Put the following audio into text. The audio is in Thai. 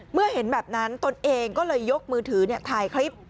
เมื่อเห็นแบบนั้นตนเองก็เลยยกมือถือถ่ายคลิป